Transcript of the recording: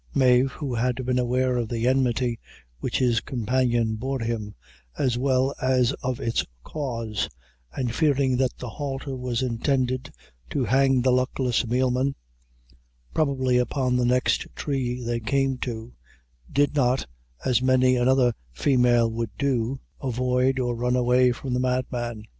Mave, who had been aware of the enmity which his companion bore him, as well as of its cause, and fearing that the halter was intended to hang the luckless mealman, probably upon the next tree they came to, did not, as many another female would do, avoid or run away from the madman.